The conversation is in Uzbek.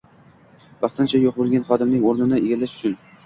vaqtincha yo‘q bo‘lgan xodimning o‘rnini egallash uchun